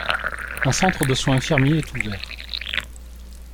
Un centre de soins infirmiers est ouvert.